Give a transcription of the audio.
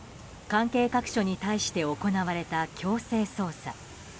関係各所に対して行われた強制捜査。